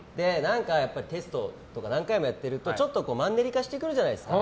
テストとか何回もやってるとちょっとマンネリ化してくるじゃないですか。